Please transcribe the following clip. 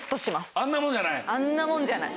あんなもんじゃない。